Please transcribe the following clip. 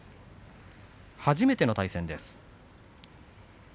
初めての対戦です。